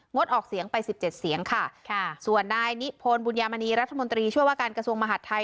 ออกเสียงไปสิบเจ็ดเสียงค่ะค่ะส่วนนายนิพนธ์บุญญามณีรัฐมนตรีช่วยว่าการกระทรวงมหาดไทย